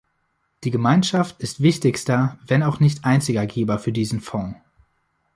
Die Gemeinschaft ist wichtigster, wenn auch nicht einziger Geber für diesen Fonds.